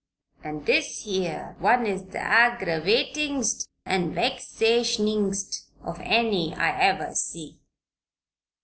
And this here one is the aggravatingest and vexationingest of any I ever see."